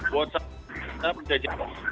buat saya saya berkembang